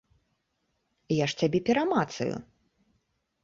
Я ж цябе перамацаю!